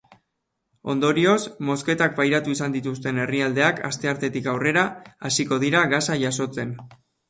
Ondorioz, mozketak pairatu izan dituzten herrialdeak asteartetik aurrera hasiko dira gasa jasotzen.